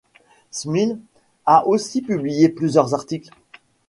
Smil a aussi publié plusieurs articles.